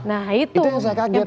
nah itu yang paling kerennya gitu ya